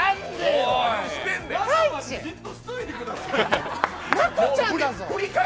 じっとしておいてくださいよ。